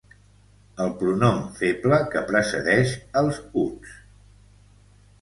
El pronom feble que precedeix els uts.